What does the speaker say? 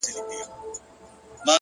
د پوهې ارزښت په کارولو کې دی!